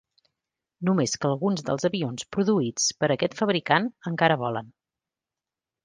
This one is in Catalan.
Només que alguns dels avions produïts per aquest fabricant encara volen.